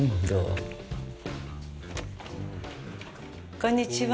こんにちは。